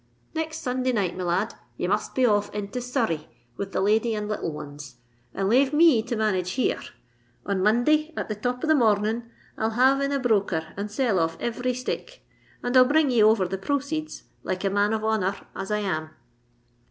Next Sunday night, me lad, ye must be off into Surrey with the lady and little ones; and lave me to manage here. On Monday, at the top of the mornin', I'll have in a broker and sell off every stick; and I'll bring ye over the proceeds like a man of honour r as I am."